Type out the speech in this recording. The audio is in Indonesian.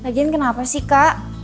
lagian kenapa sih kak